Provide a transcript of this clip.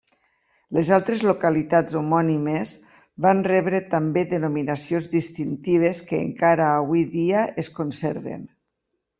Les altres localitats homònimes van rebre també denominacions distintives que encara avui dia es conserven.